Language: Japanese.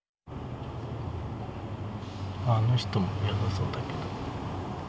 あの人も良さそうだけど。